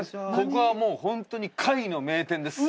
ここはもう本当に貝の名店です。